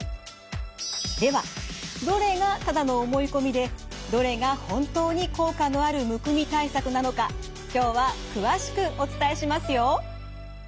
ではどれがただの思い込みでどれが本当に効果のあるむくみ対策なのか今日は詳しくお伝えしますよ。